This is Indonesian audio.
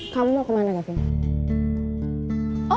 kamu kemana gavinda